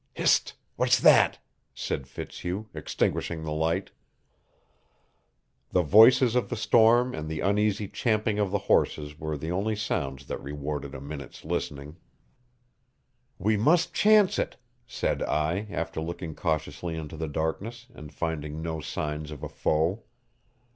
"Hist! What's that?" said Fitzhugh, extinguishing the light. The voices of the storm and the uneasy champing of the horses were the only sounds that rewarded a minute's listening. "We must chance it," said I, after looking cautiously into the darkness, and finding no signs of a foe.